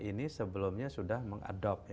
ini sebelumnya sudah mengadakannya